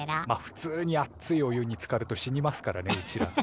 まっふつうにあっついお湯につかると死にますからねうちら。